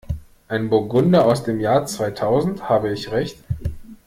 Ein Burgunder aus dem Jahr zweitausend, habe ich Recht?